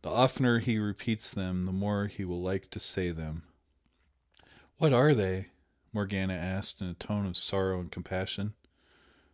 the oftener he repeats them the more he will like to say them." "What are they?" Morgana asked in a tone of sorrow and compassion.